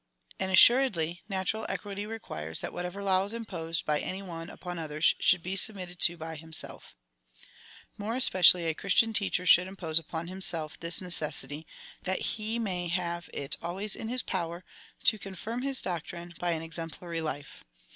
And, assuredly, natural equity requires that whatever law is imposed by any one upon others, should be submitted to by himself More especially a Christian teacher should impose uj)on himself this necessity, that he may have it always in his power to confirm his doctrine by an ex emplary life.